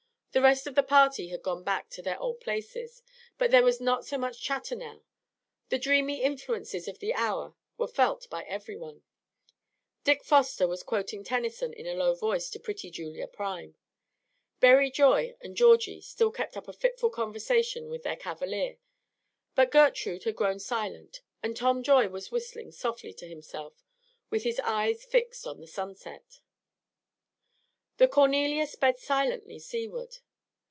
The rest of the party had gone back to their old places, but there was not so much chatter now. The dreamy influences of the hour were felt by every one. Dick Foster was quoting Tennyson in a low voice to pretty Julia Prime. Berry Joy and Georgie still kept up a fitful conversation with their cavalier; but Gertrude had grown silent, and Tom Joy was whistling softly to himself, with his eyes fixed on the sunset. The "Cornelia" sped silently seaward.